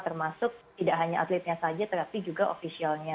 termasuk tidak hanya atletnya saja tetapi juga ofisialnya